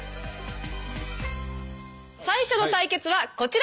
最初の対決はこちら。